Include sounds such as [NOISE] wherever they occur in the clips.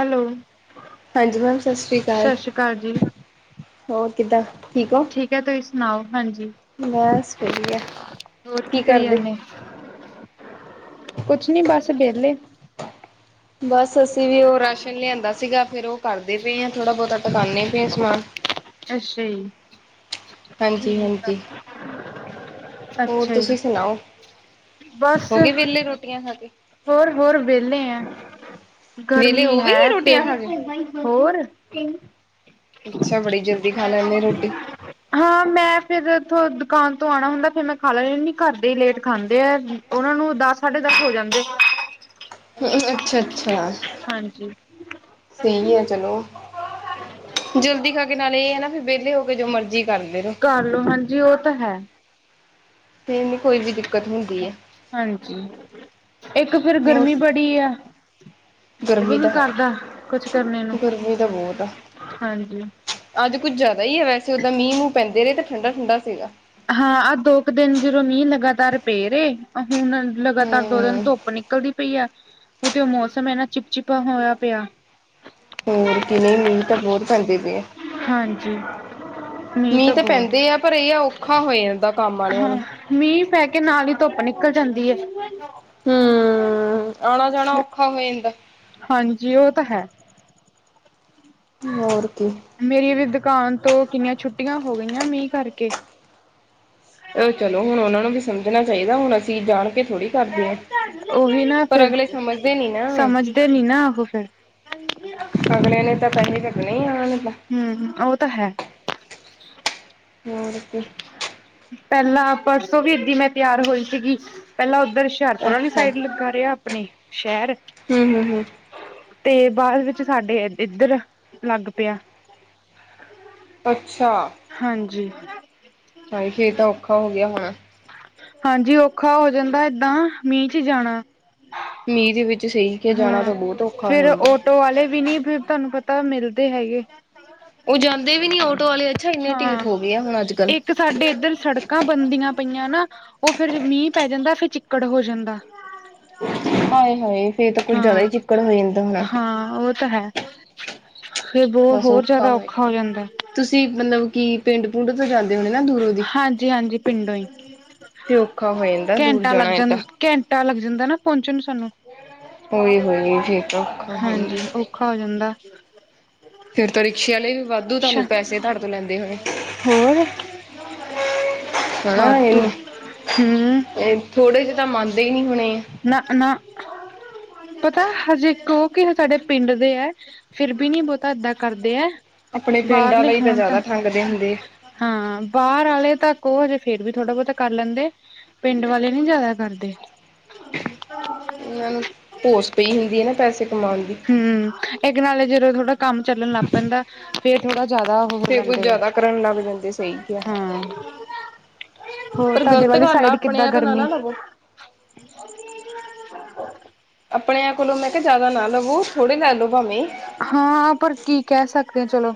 Hello ਹਾਂਜੀ ma'am ਸਸਰੀ ਕਾਲ ਸਤਿ ਸ਼੍ਰੀ ਅਕਾਲ ਜੀ [UNINTELLIGIBLE] ਹੋਰ ਕਿੱਦਾਂ? ਠੀਕ ਓ? ਹੈ ਤੁਸੀਂ ਸੁਣਾਓ ਹਾਂਜੀ ਬਸ ਵਧੀਆ, ਹੋਰ ਕੀ ਕਰੀ ਕਰਦੇ? ਜਾਂਦੇ ਕੁਛ ਨੀ ਬਸ ਵੇਲੇ। ਬਸ ਅਸੀਂ ਵੀ ਓ ਰਾਸ਼ਨ ਲਿਆਂਦਾ ਸੀਗਾ ਫੇਰ ਓ ਕਰਦੇ ਪਏ ਹਾਂ ਥੋੜ੍ਹਾ ਬੋਤਾ ਟਕਾਨੇ ਪਏ ਆ ਸਮਾਨ। ਅੱਛਾ ਜੀ ਹਾਂਜੀ ਠੀਕ ਆ ਹਾਂਜੀ ਹੋਰ ਅੱਛਾ ਜੀ। ਤੁਸੀਂ ਸੁਣਾਓ? ਬਸ ਹੋ ਗਏ ਵਿਹਲੇ ਰੋਟੀਆਂ ਖਾ ਕੇ ਹੋਰ-ਹੋਰ ਵੇਂਲੇ ਐ। ਵਿਹਲੇ ਗਰਮੀ ਹੋ ਵੀ ਗਏ ਹੈ ਫੇਰ ਰੋਟੀਆਂ ਖਾ ਕੇ ਹੋਰ। ਅੱਛਾ ਬੜੀ ਜਲਦੀ ਖਾ ਲੈਂਨੇ ਰੋਟੀ। ਹਾਂ ਮੈਂ ਫੇਰ ਉਥੋ ਦੁਕਾਨ ਤੋਂ ਆਣਾ ਹੁੰਦਾ ਫੇਰ ਮੈਂ ਖਾ ਲੈੈਨੀ ਹੁੰਨੀ ਘਰ ਦੇ ਈ ਲੇਟ ਖਾਣ ਓਨਾਂ ਨੂੰ ਦਸ-ਸਾਢੇ ਹੋ ਜਾਂਦੇ। ਹੂੰ ਅੱਛਾ-ਅੱਛਾ ਹਾਂਜੀ ਸਈ ਆ ਚਲੋ। ਜਲਦੀ ਖਾ ਕੇ ਨਾਲੇ ਏ ਆ ਨਾ ਵੀ ਵੇਲੇ ਹੋ ਕੇ ਜੋ ਮਰਜ਼ੀ ਕਰਦੇ ਰੋ। ਕਰਲੋ, ਹਾਂਜੀ ਓ ਤਾਂ ਹੈ। ਫੇਰ ਨੀ ਕੋਈ ਵੀ ਦਿੱਕਤ ਹੁੰਦੀ ਐ ਹਾਂਜੀ, ਇੱਕ ਫਿਰ ਹੋਰ ਗਰਮੀ ਬੜੀ ਆ। ਦਿਲ ਵੀ ਗਰਮੀ ਨੀ ਤਾਂ ਹੈ ਕਰਦਾ ਕੁਛ ਕਰਨੇ ਨੂੰ ਗਰਮੀ ਤਾਂ ਬਹੁਤ ਆ ਹਾਂਜੀ। ਅੱਜ ਕੁੱਝ ਜਾਦਾ ਈ ਐ ਵੈਸੇ ਓਦਾਂ ਮੀਂਹ-ਮੂਹ ਪੈਂਦੇ ਰੇ ਤਾਂ ਠੰਡਾ-ਠੰਡਾ ਸੀਗਾ। ਹਾਂ ਆ ਦੋ ਕ ਦਿਨ ਜਦੋਂ ਮੀਂਹ ਲਗਾਤਾਰ ਪੇ ਰੇ ਆ ਹੁਣ ਲਗਾਤਾਰ ਦੋ ਦਿਨ ਹਮ ਧੁੱਪ ਨਿਕਲਦੀ ਪਈ ਆ ਉਤੇ ਮੌਸਮ ਐਨਾ ਚਿਪ-ਚਪਾ ਹੋਇਆ ਪਿਆ। ਹੋਰ ਕੀ ਨਈ ਮੀਂਹ ਤਾਂ ਬੋਤ ਪੈਂਦੇ ਪਏ ਆ। ਹਾਂਜੀ। ਮੀਂਹ ਤਾਂ ਪੈਂਦੇ ਆ ਪਰ ਏ ਆ ਔਖਾ ਹੋ ਜਾਂਦਾ ਕੰਮ ਆਲਿਆਂ ਹਾਂ ਨੂੰ ਮੀਂਹ ਪੈ ਕੇ ਨਾਲ ਈ ਧੁੱਪ ਨਿਕਲ ਜਾਂਦੀ ਏ। ਹੂੰ ਆਣਾ-ਜਾਣਾ ਔਖਾ ਹੋ ਜਾਂਦਾ। ਹਾਂਜੀ ਓ ਤਾਂ ਹੈ। ਹੋਰ ਕੀ। ਮੇਰੀ ਵੀ ਦੁਕਾਨ ਤੋਂ ਕਿੰਨੀਆਂ ਛੁੱਟੀਆਂ ਹੋ ਗਈਆਂ ਮੀਂਹ ਕਰਕੇ ਏ ਚਲੋ ਹੁਣ ਉਹਨਾਂ ਨੂੰ ਵੀ ਸਮਝਣਾ ਚਾਈਦਾ, ਹੁਣ ਅਸੀਂ ਜਾਣ ਕੇ ਥੋੜ੍ਹੀ ਕਰਦੇ ਹਾਂ ਉਹੀ ਨਾ ਪਰ ਫੇਰ ਅਗਲੇ ਸਮਝਦੇ ਨੀ ਨਾ ਸਮਝਦੇ ਨੀ ਨਾ ਉਹ ਫੇਰ ਅਗਲੇ ਨੇ ਤਾਂ ਪੈਸੇ ਕੱਟਣੇ ਆਉਣਾ ਨੈ ਤਾਂ ਹੂੰ, ਉਹ ਤਾਂ ਹੈ। ਹੋਰ ਕੀ ਪਹਿਲਾਂ ਪਰਸੋਂ ਵੀ ਇਧਰ ਮੈਂ ਤਿਆਰ ਹੋਈ ਸੀਗੀ ਪਹਿਲਾਂ ਉੱਧਰ ਹੁਸ਼ਿਆਰਪੁਰ ਵਾਲੀ ਅੱਛਾ ਸਾਈਡ ਲੱਗਾ ਰਿਹਾ ਆਪਣੇ ਸ਼ਹਿਰ ਹੂੰ, ਹੂੰ, ਹੂੰ ਤੇ ਬਾਅਦ ਵਿੱਚ ਸਾਡੇ ਇੱਧਰ ਲੱਗ ਪਿਆ ਅੱਛਾ। ਹਾਂਜੀ। ਹਾਏ ਫੇਰ ਤਾਂ ਔਖਾ ਹੋ ਗਿਆ ਹੋਣਾ ਹਾਂਜੀ ਔਖਾ ਹੋ ਜਾਂਦਾ ਏਦਾਂ ਮੀਂਹ ਚ ਜਾਣਾ ਮੀਂਹ ਦੇ ਵਿੱਚ ਸਹੀ ਕੇ ਜਾਣਾ ਤਾਂ ਬਹੁਤ ਔਖਾ ਹੋਦੈ ਆਟੋ ਵਾਲੇ ਵੀ ਨੀ ਤੁਆਨੂੰ ਪਤਾ ਮਿਲਦੇ ਹੈਗੇ ਉਹ ਜਾਂਦੇ ਵੀ ਨੀ ਆਟੋ ਵਾਲੇ ਅੱਛਾ ਇੰਨੇ ਢੀਠ ਹਾਂ ਹੋ ਗਏ ਆ, ਹੁਣ ਅੱਜ-ਕੱਲ੍ਹ ਇੱਕ ਸਾਡੇ ਇੱਧਰ ਸੜਕਾਂ ਬਣਦੀਆਂ ਪਈਆਂ ਨਾ, ਉਹ ਫੇਰ ਮੀਂਹ ਪੈ ਜਾਂਦਾ ਫੇਰ ਚਿੱਕੜ ਹੋ ਜਾਂਦਾ ਆਏ-ਹਾਏ ਫੇਰ ਤਾਂ ਕੁੱਝ ਜ਼ਿਆਦਾ ਹਾਂ ਹੀ ਚਿੱਕੜ ਹੋ ਜਾਂਦਾ ਹੋਣਾ ਹਾਂ ਉਹ ਤਾਂ ਹੈ ਫੇਰ ਬਹੁ ਹੋਰ ਜ਼ਿਆਦਾ ਔਖਾ ਹੋ ਜਾਂਦਾ ਤੁਸੀਂ ਮਤਲਬ ਕਿ ਪਿੰਡ-ਪੁੰਡ ਤੋਂ ਜਾਂਦੇ ਣੇ ਨਾ ਦੂਰੋਂ ਦੀ। ਹਾਂਜੀ ਹਾਂਜੀ ਪਿੰਡੋਂ ਈ ਫਿਰ ਔਖਾ ਹੋ ਜਾਂਦਾ ਦੂਰ ਘੰਟਾ ਲੱਗ ਜਾਣਾ ਜਾ- ਏਦਾਂ ਘੰਟਾ ਲੱਗ ਜਾਂਦਾ ਨਾ ਪਹੁੰਚਣ ਨੂੰ ਸਾਨੂੰ ਉਏ-ਹੋਏ ਇਹ ਤਾ ਔਖਾ ਹੈ ਈ। ਹਾਂਜੀ ਔਖਾ ਹੋ ਜਾਂਦਾ ਤਾਂ ਰਿਕਸ਼ੇ ਵਾਲੇ ਵੀ ਵਾਧੂ ਅੱਛਾ, ਤੁਹਾਨੂੰ ਪੈਸੇ ਤੁਹਾਡੇ ਤੋਂ ਲੈਂਦੇ ਹੋਣੇ। ਹੋਰ ਹਨਾ ਵਧੂ ਇਹਨੂੰ ਹਮ। ਇਹ ਥੋੜੇ ਜਿਹੇ ਤਾਂ ਮੰਨਦੇ ਹੀ ਨਈ ਹੋਣੇ। ਨਾ ਪਨਾ, ਪਤਾ ਹਜੇ ਇੱਕ ਉਹ ਕੀ ਸਾਡੇ ਪਿੰਡ ਦੇ ਐ ਫਿਰ ਬੀ ਨੀ ਬਹੁਤਾ ਏਦਾਂ ਕਰਦੇ ਐ ਆਪਣੇ ਪਿੰਡਾਂ ਲਈ ਤਾਂ ਜ਼ਿਆਦਾ ਠੰਗਦੇ ਹੁੰਦੇ ਐ। ਹਾਂ ਬਾਹਰ ਆਵੇ ਤਾਂ ਕਹੋ, ਹਜੇ ਫੇਰ ਥੋੜ੍ਹਾ ਬਹੁਤਾ ਕਰ ਲੈਂਦੇ ਪਿੰਡ ਵਾਲੇ ਨੀ ਜਿਆਦਾ ਕਰਦੇ [INAUDIBLE] ਭੂਸ ਪਈ ਹੁੰਦੀ ਐ ਨਾ ਪੈਸੇ ਕਮਾਣ ਦੀ ਹਮ, ਇੱਕ ਨਾਲੇ ਜਦੋਂ ਥੋੜਾ ਕੰਮ ਚੱਲਣ ਲੱਗ ਪੈਂਦਾ ਫਿਰ ਥੋੜਾ ਜਿਆਦਾ ਉਹੋ ਹੋ ਫੇਰ ਕੁੱਝ ਜਾਂਦੈ ਜ਼ਿਆਦਾ ਕਰਨ ਲੱਗ ਜਾਂਦੇ ਸਹੀ ਕਿਹਾ ਐ। ਹੋਰ ਪਰ ਤੁਆਡੇ ਗ਼ਲਤ ਵਾਲੀ ਗੱਲ ਆ ਸਾਈਡ ਕਿੱਦਾਂ ਆਪਣਿਆਂ ਤੋਂ ਨਾ ਨਾ ਗਰਮੀ? ਲਵੋ ਆਪਣਿਆਂ ਕੋਲੋਂ ਮੈਂ ਕਿਹਾ ਜ਼ਿਆਦਾ ਨਾ ਲਵੋ ਥੋੜੇ ਲੈ ਲੋ ਭਾਵੇਂ ਹਾਂ ਪਰ ਕੀ ਕਹਿ ਸਕਦੇ ਆ ਚਲੋ।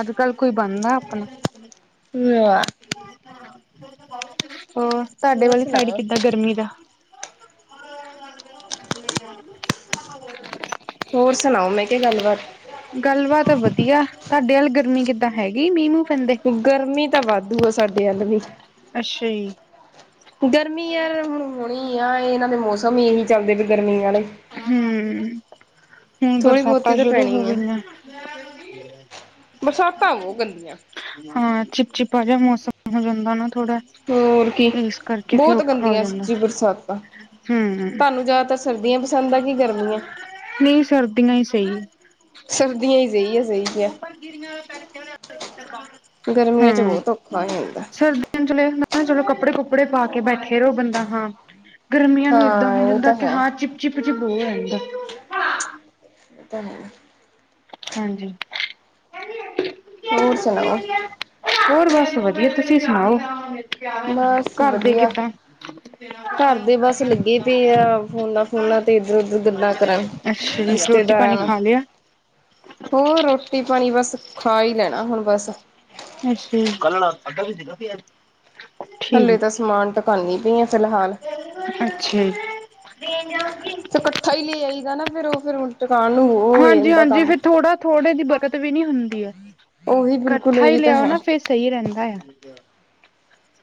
ਅੱਜ-ਕੱਲ ਕੋਈ ਬਣਦਾ ਆਪਣਾ ਲੈ ਹੋ ਤਾਂਡੇ ਹੋਰ ਵਾਲੀ ਸਾਈਡ ਸੁਣਾਓ ਕਿੱਦਾਂ ਗਰਮੀ ਦਾ? [INAUDIBLE] [INAUDIBLE] ਹੋਰ ਸੁਣਾਓ ਮੈਂ ਕੇਆ ਗੱਲਬਾਤ? ਗੱਲ ਬਾਤ ਵਧੀਆ ਤਾਂਡੇ ਵੱਲ ਗਰਮੀ ਕਿੱਦਾਂ ਹੈਗੀ ਮੀਂ ਮੂ। ਗਰਮੀ ਤਾਂ ਵਾਧੂ ਆ ਸਾਡੇ ਅੱਲ ਵੀ। ਅੱਛਾ ਜੀ। ਗਰਮੀ ਯਾਰ ਹੁਣ ਹੋਣੀ ਆ ਏਨਾਂ ਦੇ ਮੌਸਮ ਈ ਏਹੀ ਚੱਲਦੇ ਪਏ ਗਰਮੀ ਆਲੇ। ਹੂੰ, ਹੁਣ ਬਹੁਤੀ ਬਰਸਾਤਾਂ ਤਾਂ ਸ਼ੁਰੂ ਹੋ ਪੈਣੀ ਆ ਗਈਆਂ। ਬਰਸਾਤਾਂ ਵੋ ਗੰਦੀਆਂ। ਹਾਂ ਚਿਪ ਚਿਪਾ ਜਾ ਮੌਸਮ ਹੋ ਜਾਂਦਾ ਨਾ ਥੋੜਾ ਹੋਰ ਕੀ ਇਸ ਕਰਕੇ ਫਿਰ ਬਹੁਤ ਔਖਾ ਹੋ ਗੰਦੀਆਂ ਜਾਂਦਾ। ਸੱਚੀ ਬਰਸਾਤਾਂ ਹੂੰ। ਤੁਹਾਨੂੰ ਜ਼ਿਆਦਾਤਰ ਸਰਦੀਆਂ ਪਸੰਦ ਆ ਕਿ ਗਰਮੀਆਂ ਨਈ ਸਰਦੀਆਂ ਈ ਸਈ। ਸਰਦੀਆਂ ਹੀ ਸਹੀ ਆ ਸਹੀ ਕਿਹਾ ਉੱਪਰ ਗਿਰੀਆਂ [INAUDIBLE] ਗਰਮੀਆਂ ਚ ਬੋਤ ਔਖਾ ਹੋ ਹੁੰਦਾ। ਸਰਦੀ ਚਲੇ ਨਾਲੇ ਚਲੋ ਕੱਪੜੇ ਕੁੱਪੜੇ ਪਾ ਕੇ ਬੈਠੇ ਰਓ ਬੰਦਾ ਹਾਂ। ਗਰਮੀਆਂ ਨੂੰ ਏਦਾਂ ਹੋ ਹਾਂ ਇਹ ਜਾਂਦਾ ਕਿ ਹਾਂ ਚਿਪ-ਚਿਪ-ਚਿਪ ਬੋ ਹੋ ਜਾਂਦਾ। ਪਤਾ ਨੀ। ਹਾਂਜੀ। ਹੋਰ ਸੁਣਾਓ ਹੋਰ ਬਸ ਵਧੀਆ ਤੁਸੀਂ ਸੁਣਾਓ, ਬਸ ਘਰ ਦੇ ਵਧੀਆ ਕਿੱਦਾਂ? ਘਰ ਦੇ ਬਸ ਲੱਗੇ ਪੇ ਆ ਫੋਨਾਂ-ਫੋਨਾਂ ਤੇ ਇੱਧਰ-ਉਧਰ ਗੱਲਾਂ ਕਰਨ। ਅੱਛਾ ਜੀ ਰੋਟੀ ਰਿਸ਼ਤੇਦਾਰਾਂ ਪਾਣੀ ਨਾਲ ਖਾ ਲਿਆ? ਹੋਰ ਰੋਟੀ ਪਾਣੀ ਬਸ ਖਾ ਈ ਲੈਣਾ ਹੁਣ ਬਸ। ਅੱਛਾ ਜੀ। ਹਲੇੇ ਠੀਕ। ਤਾਂ ਸਮਾਨ ਟਕਾਨੀ ਪੀ ਆ ਫਿਲਹਾਲ। ਅੱਛਾ। ਫੇਰ ਕੱਠਾ ਈ ਲੇ ਆਈ ਦਾ ਨਾ ਫੇਰ ਓ ਫੇਰ ਹੁਣ ਟਕਾਨ ਨੂੰ ਹੋ ਜਾਂਦਾ ਹਾਂਜੀ-ਹਾਂਜੀ ਕੰਮ ਫਿਰ ਥੋੜਾ ਥੋੜੇ ਦੀ ਬਕਤ ਵੀ ਨੀ ਹੁੰਦੀ ਐ। ਉਹੀ ਬਿਲਕੁਲ ਕੱਠਾ ਈ ਇਹੀ ਤਾਂ ਲਿਆਓ ਹੈ ਨਾ ਫਿਰ ਸਈ ਰੈਂਦਾ ਆ।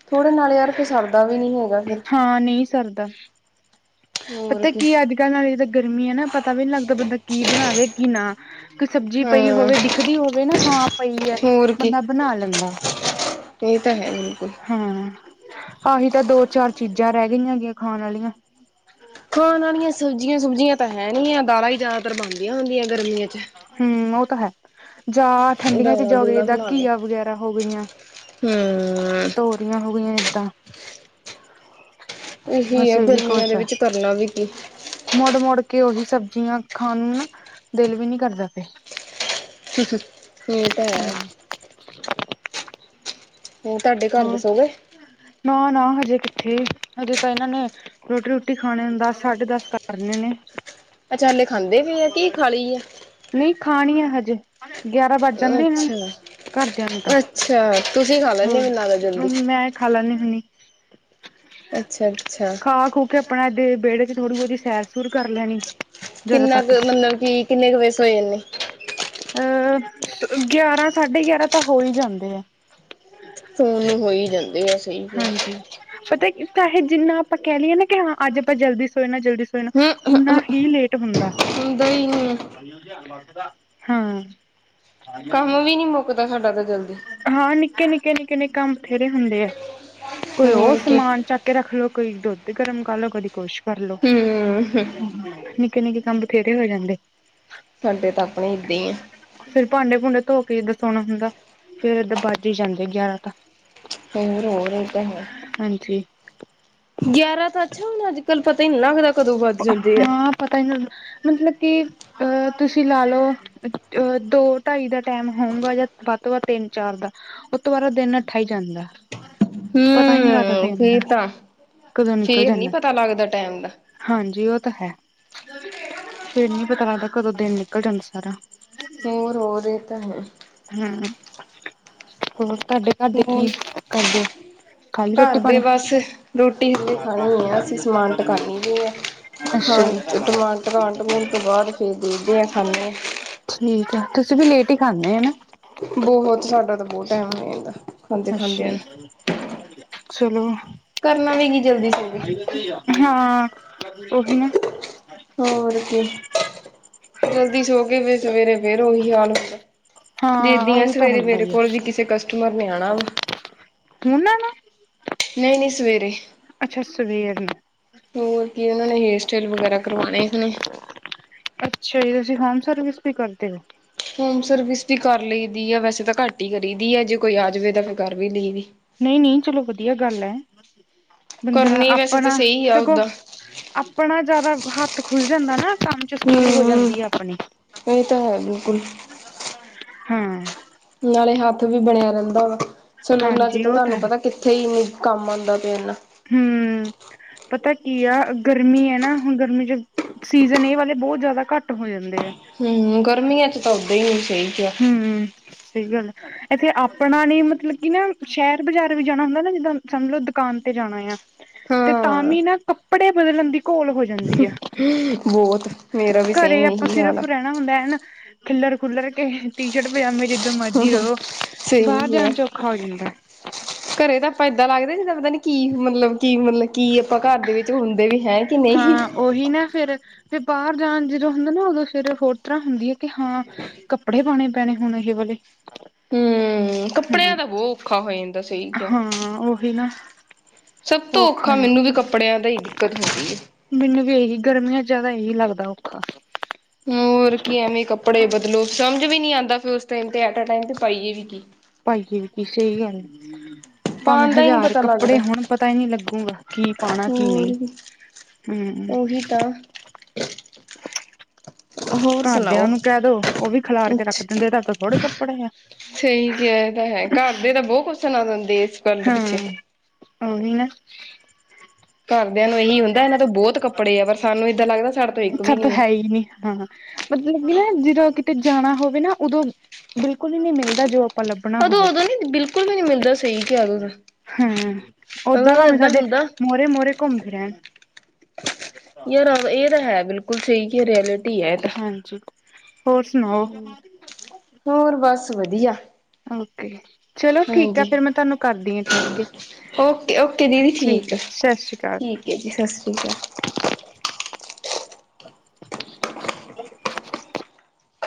ਥੋੜੇ ਨਾਲ ਯਾਰ ਫਿਰ ਸਰਦਾ ਵੀ ਨੀ ਹੈਗਾ ਫਿਰ। ਹਾਂ ਨਈ ਸਰਦਾ। ਪਤਾ ਕੀ ਅੱਜ-ਕੱਲ ਨਾਲੇ ਜਿੱਦਾਂ ਗਰਮੀ ਐ ਨਾ ਪਤਾ ਵੀ ਨੀ ਲਗਦਾ ਬੰਦਾ ਕੀ ਬਣਾਵੇ, ਕੀ ਨਾ। ਕੋਈ ਸਬਜ਼ੀ ਹਾਂ ਪਈ ਹੋਵੇ ਦਿਖਦੀ ਹੋਵੇ ਨਾ ਹਾਂ ਪਈ ਐ ਬੰਦਾ ਬਣਾ ਲੈਂਦਾ ਐ। ਏ ਤਾਂ ਹੈ ਬਿਲਕੁੱਲ। ਹੂੰ ਆਹੀ ਤਾਂ ਦੋ-ਚਾਰ ਚੀਜ਼ਾਂ ਰੈ ਗਈਆਂ ਗੀਆਂ ਖਾਣ ਆਲੀਆਂ। ਖਾਣ ਆਲੀਆਂ ਸਬਜ਼ੀਆਂ ਸੁਬਜ਼ੀਆਂ ਤਾਂ ਹੈ ਨੀ ਆ ਦਾਲਾਂ ਈ ਜ਼ਿਆਦਾਤਰ ਬਣਦੀਆਂ ਹੁੰਦੀਆਂ ਗਰਮੀਆਂ ਚ। ਹੂੰ ਓ ਤਾਂ ਹੈ। ਜਾਂ ਠੰਡੀਆਂ ਦਾਲਾਂ ਚੀਜ਼ਾਂ ਹੋਗੀਆਂ ਦੂਲਾਂ ਜਿਦਾਂ ਬਣਾ ਲੋ ਘੀਆ ਵਗੈਰਾ ਹੋ ਗਈਆਂ, ਹਮ ਤੋ ਰੀਆਂ ਹੋ ਗਈਆਂ ਐਦਾਂ। ਏਹੀ ਐ ਗਰਮੀਆਂ ਦੇ ਵਿਚ ਕਰਨਾ ਵੀ ਕੀ। ਮੁੜ-ਮੁੜ ਕੇ ਉਹੀ ਸਬਜ਼ੀਆਂ ਖਾਣ ਨੂੰ ਨਾ ਦਿਲ ਵੀ ਨੀ ਕਰਦਾ ਪਿਆ। [UNINTELLIGIBLE] ਹੈ ਹੂੰ। ਹੋਰ ਤੁਹਾਡੇ ਘਰ ਦੇ ਸੋਗੇ? ਨਾ-ਨਾ ਹਜੇ ਕਿੱਥੇ ਹਜੇ ਤਾਂ ਏਨਾਂ ਨੇ ਰੋਟੀ ਰੁਟੀ ਖਾਣੇ ਨੂੰ ਦਸ, ਸਾਢੇ ਦਸ ਕਰਨੇ ਨੇ। ਅੱਛਾ ਹਲੇ ਖਾਂਦੇ ਵੀ ਆ, ਕੀ ਖਾ ਲਈ ਆ ਨਹੀਂ ਖਾਣੀ ਆ ਹਜੇ, ਗਿਆਰਾਂ ਵੱਜ ਆ ਜਾਂਦੇ ਇਹਨਾਂ ਨੂੰ ਅੱਛਾ ਘਰਦਿਆਂ ਨੂੰ ਤਾਂ, ਅੱਛਾ ਤੁਸੀਂ ਖਾ ਲੈਂਦੇ ਹੋਰ, ਮੈਨੂੰ ਲੱਗਦਾ ਜਲਦੀ ਮੈਂ ਖਾ ਲੈਂਨੀ ਹੁੰਦੀ। ਅੱਛਾ -ਅੱਛਾ। ਫੇਰ ਆਪਣਾ ਦੇ ਵਿਹੜੇ ਥੋੜੀ ਸੈਰ- ਸੁਰ ਕਰ ਲੈਣੀ। ਜਰਾ ਕਿੰਨਾ ਤੱਕ ਕੁ ਮਤਲਬ ਕਿ, ਕਿੰਨੇ ਕ ਵਜੇ ਸੋ ਜਾਨੇ। ਅਹ, ਗਿਆਰਾਂ ਸਾਢੇ ਗਿਆਰਾਂ ਤਾਂ ਹੋ ਹੀ ਜਾਂਦੇ। ਸੂਨ ਹੋਈ ਜਾਣ ਹਾਂਜੀ, ਪਤਾ, ਚਾਹੇ ਜਿੰਨਾ ਆਪਾਂ ਕਹਿ ਲਈਏ ਨਾ ਕਿ ਹਾਂ ਅੱਜ ਆਪਾਂ ਜਲਦੀ ਸੋ ਸੋਏ ਨਾ ਜਲਦੀ ਸੋਣਾ, ਹਮ ਓਨਾ ਹੀ ਲੇਟ ਹੁੰਦਾ। ਹੁੰਦਾ ਨੀ। ਪਾਈ ਦਾ ਹਰਬੰਸ ਦਾ, ਹਾਂ। ਕੰਮ ਵੀ ਨੀ ਮੁੱਕਦਾ ਸਾਡਾ ਤਾਂ ਜਲਦੀ ਹਾਂ, ਨਿੱਕੇ- ਨਿੱਕੇ -ਨਿੱਕੇ -ਨਿੱਕੇ ਕੰਮ ਬਥੇਰੇ ਹੁੰਦੇ ਆ। ਕੋਈ ਉਹ ਹੋਰ ਕੀ ਸਮਾਨ ਚੱਕ ਕੇ ਰੱਖ ਲੋ, ਕੋਈ ਦੁੱਧ ਗਰਮ ਕਰ ਲੋ, ਕਦੀ ਕੁਛ ਕਰਲੋ, ਹੂੰ, ਨਿੱਕੇ- ਨਿੱਕੇ ਕੰਮ ਬਥੇਰੇ ਹੋ ਜਾਂਦੇ। ਸਾਡੇ ਤਾਂ ਆਪਣੇ ਇੱਦਾਂ ਹੀ ਆ। ਫਿਰ ਭਾਂਡੇ- ਭੂੰਡੇ ਧੋ ਕੇ ਏਦਾਂ ਸੌਣਾ ਹੁੰਦਾ, ਫੇਰ ਐਦਾਂ ਵੱਜ ਹੀ ਜਾਂਦੇ ਆ ਗਿਆਰਾਂ ਤਾਂ ਹੋਰ -ਹੋਰ ਇਹ ਤਾਂ ਹੈ ਹਾਂਜੀ ਗਿਆਰਾਂ ਤਾਂ ਅੱਛਾ ਹੁਣ ਅੱਜ -ਕੱਲ ਪਤਾ ਹੀ ਨੀ ਲੱਗਦਾ ਕਦੋਂ ਵੱਧ ਜਾਂਦੇ ਆ। ਹਾਂ ਪਤਾ ਹੀ ਨੀ ਲਗਦਾ, ਮਤਲਬ ਕਿ ਅਹ ਤੁਸੀਂ ਲਾ ਲਓ ਅ ਦੋ ਢਾਈ ਦਾ ਟਾਈਮ ਹੋਊਗਾ ਜਾਂ ਵੱਧ ਤੋਂ ਵੱਧ ਤਿੰਨ ਚਾਰ ਦਾ ਉਹ ਦੁਬਾਰਾ ਦਿਨ ਨਠਾ ਹੀ ਜਾਂਦਾ। ਪਤਾ ਹੀ ਨੀ ਲੱਗਦਾ ਦਿਨ ਦਾ, ਫੇਰ ਤਾਂ ਕਦੋਂ ਨਿਕਲ ਫੇਰ ਨੀ ਜਾਂਦਾ। ਪਤਾ ਲੱਗਦਾ ਟੈਮ ਦਾ ਹਾਂਜੀ ਓ ਤਾਂ ਹੈ, ਫਿਰ ਨੀ ਪਤਾ ਲੱਗਦਾ, ਕਦੋਂ ਦਿਨ ਨਿਕਲ ਜਾਂਦਾ ਸਾਰਾ ਹੋਰ -ਹੋਰ ਇਹ ਤਾਂ ਹੈ। ਹਮ, ਹੋਰ ਤਾਡੇ ਘਰਦੇ ਕੀ ਹੋਰ ਕਰਦੇ। ਖਾ ਲਈ ਰੋਟੀ ਘਰ ਦੇ ਪਾਣੀ? ਬਸ, ਰੋਟੀ ਹਲੇ ਖਾਣੀ ਆ, ਅਸੀਂ ਸਮਾਨ ਟਕਾਨੀ ਵੀ ਆ। ਖਾ ਅੱਛਾ ਜੀ ਸਮਾਨ ਟਿਕਾਣ -ਟੁਕੋਣ ਤੋਂ ਬਾਅਦ ਫੇਰ ਦੇਖਦੇ ਆ, ਖਾਂਨੇ ਆ। ਠੀਕ ਐ, ਤੁਸੀਂ ਵੀ ਲੇਟ ਹੀ ਖਾਂਨੇ ਆ ਹਨਾ। ਬਹੁਤ ਸਾਡਾ ਤਾਂ ਬੋਤ ਅੱਛਾ ਜੀ, ਚਲੋ। ਕਰਨਾ ਵੀ ਕੀ, ਜਲਦੀ ਸੌ ਕੇ। ਹਾਂ, ਉਹੀ ਨਾ। ਹੋਰ ਕੀ, ਜਲਦੀ ਸੌ ਕੇ ਫਿਰ ਸਵੇਰੇ ਉਹੀ ਹਾਲ ਹੁੰਦਾ। ਹਾਂ ਦੇਦੀਆ ਉਹੀ ਤਾਂ ਸਵੇਰੇ ਹੁੰਦਾ ਮੇਰੇ ਹੀ ਹੈ ਕੋਲ ਵੀ ਕਿਸੇ ਕਸਟਮਰ ਨੇ ਆਉਣਾ ਵਾ। ਉਹਨਾਂ ਨੂੰ ਨਹੀ -ਨਹੀ ਸਵੇਰੇ। ਅੱਛਾ ਸਵੇਰ ਨੂੰ ਹੋਰ ਕੀ, ਉਹਨਾਂ ਨੇ ਹੇਅਰ ਸਟਾਈਲ ਵਗੈਰਾ ਕਰਵਾਣੇ ਹੁਣ ਅੱਛਾ ਜੀ, ਤੁਸੀ ਹੋਮ ਸਰਵਿਸ ਵੀ ਕਰਦੇ ਹੋ ਹੋਮ ਸਰਵਿਸ ਵੀ ਕਰ ਲਈਦੀ ਆ, ਵੈਸੇ ਤਾ ਘੱਟ ਈ ਕਰੀਦੀ ਆ, ਜੇ ਕੋਈ ਆ ਜਾਵੇ ਤਾਂ ਫੇਰ ਕਰ ਵੀ ਲਈਦੀ ਨਹੀ- ਨਹੀ ਚਲੋ ਵਧੀਆ ਗੱਲ ਐ, ਬੰਦਾ ਕਰਨੀ ਵੈਸੇ ਤਾਂ ਆਪਣਾ, ਸਹੀ ਆ ਸਗੋਂ ਓਦਾਂ ਆਪਣਾ ਜਾਦਾ ਹੱਥ ਖੁੱਲ ਜਾਂਦਾ ਨਾ ਕੰਮ 'ਚ ਸਪੀਡ ਹੋ ਹਮ ਜਾਂਦੀ ਆਪਣੀ, ਇਹ ਤਾਂ ਹੈ ਬਿਲਕੁਲ ਹਾਂ ਨਾਲੇ ਹਾਥ ਵੀ ਬਣੇਆ ਰੈਂਦਾ ਵਾ, ਸਲੂਨਾ ਚ ਹਾਂਜੀ ਤੇ ਉਹ ਤਾਂ ਤਾਨੂੰ ਹੈ ਪਤਾ ਕਿੱਥੇ ਈ ਇਨੀ ਕਾਮ ਆਂਦਾ ਪੇਆ ਇੰਨਾ। ਹਮ ਪਤਾ ਕੀ ਆ ਗਰਮੀ ਐ ਨਾ, ਹੁਣ ਗਰਮੀ ਚ ਸੀਜਨ ਏਹ ਵਾਲੇ ਬੋਹੋਤ ਜਾਦਾ ਕਾਟ ਹੋ ਯਨ ਹਮ ਗਰਮੀਆ ਚ ਤਾ ਓਦਾ ਈ ਨਈ, ਸਈ ਕੇਆ ਹਮ ਸਈ ਗੱਲ ਏ। ਏਥੇ ਆਪਣਾ ਨੀ ਮਤਲਬ ਕਿ ਨਾ ਸ਼ੇਹਰ ਬਾਜ਼ਾਰ ਵੀ ਜਾਣਾ ਹੁੰਦਾ ਨਾ ਜਿੱਦਾ ਸਮਝ ਲਓ ਦੁਕਾਨ ਤੇ ਜਾਣਾ ਏ ਯਾ ਤੇ ਤਾ ਹਾਂ ਵੀ ਨਾ ਕੱਪੜੇ ਬਦਲਣ ਦੀ ਘੋਲ ਹੋ ਜਾਦੀ ਆ, ਬਹੁਤ ਮੇਰਾ ਵੀ ਸੇਮ ਘਰੇ ਅਪਾ ਇਹੀ ਹਾਲ ਆ ਸਿਰਫ ਰੇਣ ਹਣਾ ਹੁੰਦਾ ਏ ਨਾ, ਖਿਲਰ ਖੁਲਰ ਕੇ ਟੀ ਸ਼ਰਟ ਪਜਾਮੇ ਚ ਜਿੱਦਾ ਮਜੀ ਰੋ, ਬਾਹਰ ਸਹੀ ਹੈ ਜਾਣ ਚ ਔਖਾ ਹੋ ਜਾਂਦਾ ਏ। ਘਰੇ ਤਾ ਆਪਾ ਏਦਾ ਲੱਗਦੇ ਜਿੱਦਾ ਪਤਾ ਨੀ ਕੀ ਮਤਲਬ ਕੀ ਮਤਲਬ ਕੀ ਅਪਾ ਕਾਰ ਦੇ ਵਿੱਚ ਹੁੰਦੇ ਵੀ ਹੈ। ਕਿ ਨਹੀਂ ਹਾਂ। ਓਹੀ ਨਾ ਫੇਰ, ਫੇਰ ਬਾਹਰ ਜਾਣ ਜਿਦੋ ਹੁੰਦਾ ਨਾ ਉਦੋ ਫਿਰ ਹੋਰ ਤਰ੍ਹਾ ਹੁੰਦੀ ਏ ਕਿ ਹਾਂ ਕੱਪੜੇ ਪਾਣੇ ਪੈਣੇ ਹੁਣ ਏਹ ਵਾਲੇ। ਹਮ ਕੱਪੜਿਆਂ ਹਮ-ਹਮ ਦਾ ਬਹੁਤ ਔਖਾ ਹੋ ਜਾਂਦਾ ਸਹੀ ਕਿਹਾ ਹਾਂ ਉਹੀ ਨਾ। ਸਭ ਤੋ ਔਖਾ ਮੈਨੂੰ ਵੀ ਕੱਪੜੇਆ ਦਾ ਈ ਦਿੱਕਤ ਹੁੰਦੀ ਏ। ਮੈਨੂੰ ਵੀ ਏਹੀ ਗਰਮੀਆ ਚ ਜਿਆਦਾ ਏਹੀ ਲੱਗਦਾ ਔਖਾ। ਹੋਰ ਕੀ ਐਵੇ ਈ ਕੱਪੜੇ ਬਦਲੋ, ਸਮਝ ਵੀ ਨੀ ਆਂਦਾ ਫਿਰ ਉਸ ਟੈਸ ਤੇ ਐਟ ਅ ਟੈਮ ਤੇ ਪਾਈਏ ਵੀ ਕੀ? ਪਾਈਏ ਵੀ ਕੀ ਸਈ ਗੱਲ ਏ। ਪਾਵੇ ਪਾਉਣ ਦਾ ਹੀ ਨਹੀਂ ਹਜ਼ਾਰ ਪਤਾ ਕੱਪੜੇ ਲੱਗਦਾ ਹੋਣ ਪਤਾ ਈ ਨੀ ਲੱਗੂਗਾ ਕੀ ਪਾਣਾ ਕੀ ਹੋਰ ਨਈ? ਵੀ ਹਮ। ਉਹੀ ਤਾਂ ਹੋਰ ਘਾਰਦੇਆ ਸੁਣਾਓ ਨੂੰ ਕੇਹ ਦੋ ਉਹ ਵੀ ਖਿਲਾਰ ਕੇ ਰੱਖ ਦਿੰਦੇ ਏ ਤਾਡੇ ਕੋਲ ਥੋੜੇ ਕੱਪੜੇ ਐ। ਸਈ ਕੇਆ ਏਹ ਤਾ ਹੈ, ਕਾਰ ਦੇ ਤਾ ਬੋਹ ਕੁੱਸ ਸੁਣਾ ਦਿੰਦੇ ਏਸ ਹਾਂ ਓਹੀ ਨਾ। ਘਾਰਦੇਆ ਨੂੰ ਏਹੀ ਹੁੰਦਾ ਏਹਨਾਂ ਤੋ ਬੋਹਤ ਕੱਪੜੇ ਏ, ਪਰ ਸਾਨੂੰ ਏਦਾ ਲੱਗਦਾ ਸਾਡੇ ਤੋਂ ਇੱਕ ਵੀ ਤਾਂ ਨੀ ਏ। ਹੈ ਹੀ ਹਾਂ। ਮਤਲਬ ਕਿ ਨਾ ਜਿਦੋ ਕਿਤੇ ਜਾਣਾ ਹੋਵੇ ਨਾ, ਓਦੋ ਬਿਲਕੁਲ ਈ ਨੀ ਮਿਲਦਾ ਜੋ ਆਪਾ ਲੱਭਣਾ ਉਦੋਂ ਹੋਵੇ। ਉਦੋਂ ਨੀ ਬਿਲਕੁਲ ਵੀ ਨੀ ਮਿਲਦਾ ਸਹੀ ਕਿਹਾ ਉਦੋਂ ਤਾਂ ਹਮ, ਓਦਾ ਉਦੋਂ ਤਾਂ ਭਾਵੇ ਏਦਾਂ ਸਾਡੇ ਹੁੰਦਾ ਮੋਹਰੇ-ਮੋਹਰੇ ਘੁੰਮਦੇ ਰੇਹਣ। ਯਾਰ ਆ ਏਹ ਦਾ ਹੈ ਬਿਲਕੁਲ ਸਈ ਕੇਆ, ਰਿਐਲਿਟੀ ਏ ਤਾ। ਹਾਂਜੀ, ਹੋਰ ਸੁਣਾਓ? ਹੋਰ ਬਸ ਵਧੀਆ। ਓਕੇ, ਚਲੋ ਠੀਕ ਆ, ਫਿਰ ਮੈ ਤੁਆਨੂੰ ਕਰਦੀ ਆ ਠੇਹਰ ਕੇ। ਓਕੇ-ਓਕੇ ਦੀਦੀ ਠੀਕ ਹੈ ਆ, ਸਤਿ ਸ਼੍ਰੀ ਅਕਾਲ ਠੀਕ ਏ ਜੀ ਸਤਿ ਸ਼੍ਰੀ ਅਕਾ [INAUDIBLE]